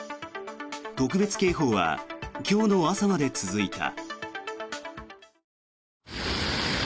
特別警報は今日の朝まで続いた。